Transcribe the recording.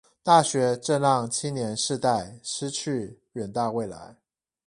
大學正讓青年世代失去遠大未來